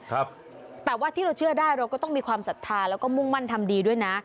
แต่ว่าที่เราเชื่อได้เราก็ต้องมีความศรัทธาแล้วก็มุ่งมั่นทำดีด้วยนะ